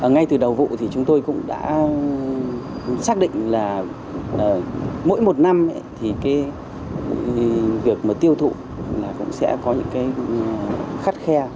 ngay từ đầu vụ thì chúng tôi cũng đã xác định là mỗi một năm thì việc tiêu thụ cũng sẽ có những khát khe